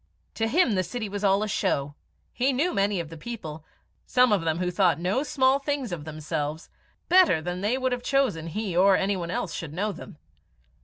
To him the city was all a show. He knew many of the people some of them who thought no small things of themselves better than they would have chosen he or any one else should know them.